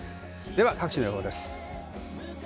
各地の予報です。